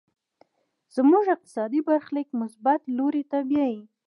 زموږ اقتصادي برخليک مثبت لوري ته بيايي.